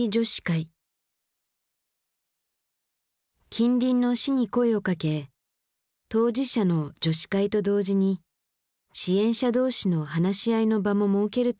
近隣の市に声をかけ当事者の女子会と同時に支援者同士の話し合いの場も設けるという。